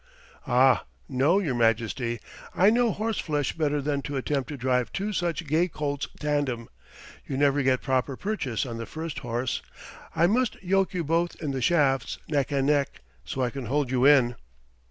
"Ah, no, Your Majesty, I know horse flesh better than to attempt to drive two such gay colts tandem. You never get proper purchase on the first horse. I must yoke you both in the shafts, neck and neck, so I can hold you in."